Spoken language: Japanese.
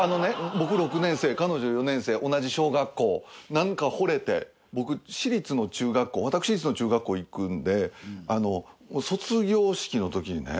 僕６年生彼女４年生同じ小学校なんか惚れて僕私立の中学校私立の中学校行くんで卒業式のときにね